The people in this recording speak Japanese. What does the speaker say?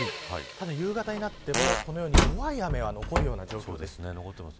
ただ、夕方になってもこのように弱い雨が残るような状況です。